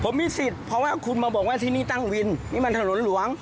ผมมีสิทธิ์เพราะว่าคุณมาบอกว่าที่นี่ตั้งวินนี่มันถนนหลวง